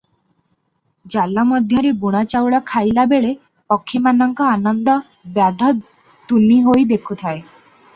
ଜାଲ ମଧ୍ୟରେ ବୁଣା ଚାଉଳ ଖାଇଲା ବେଳେ ପକ୍ଷୀମାନଙ୍କ ଆନନ୍ଦ ବ୍ୟାଧ ତୁନିହୋଇ ଦେଖୁଥାଏ ।